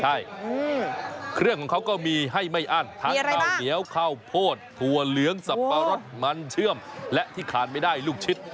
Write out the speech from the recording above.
ใช่เครื่องของเขาก็มีให้ไม่อั้นทั้งข้าวเหนียวข้าวโพดถั่วเหลืองสับปะรดมันเชื่อมและที่ขาดไม่ได้ลูกชิด